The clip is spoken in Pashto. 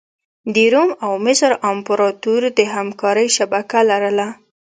د روم او مصر امپراتوري د همکارۍ شبکه لرله.